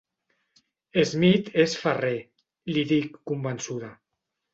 Smith és Ferrer —li dic, convençuda.